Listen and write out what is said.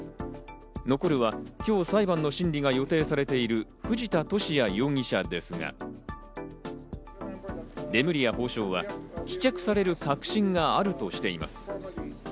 残るは今日、裁判の審理が予定されている藤田聖也容疑者ですが、レムリヤ法相は、棄却される確信があるとしています。